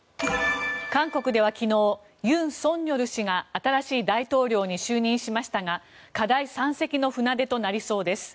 韓国では昨日、尹錫悦氏が新しい大統領に就任しましたが課題山積の船出となりそうです。